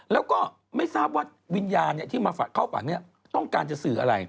แล้วก็ไม่ทราบว่าวิญญาณที่มาเข้าฝันต้องการจะสื่ออะไร